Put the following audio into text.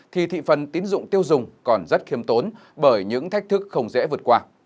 thì thị phần tín dụng tiêu dùng còn rất khiêm tốn bởi những thách thức không dễ vượt qua